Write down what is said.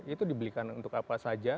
itu dibelikan untuk apa saja